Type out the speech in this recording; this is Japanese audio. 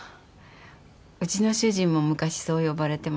うちの主人も昔そう呼ばれてました。